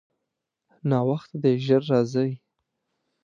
ناوخته دی، ژر راځئ.